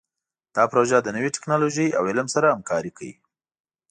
دا پروژه د نوي ټکنالوژۍ او علم سره همکاري کوي.